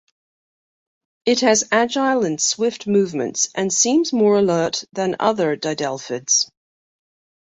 It has agile and swift movements, and seems more alert than other didelphids.